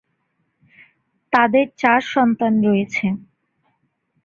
তাদের চার সন্তান রয়েছে।